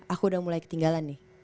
aku udah mulai ketinggalan nih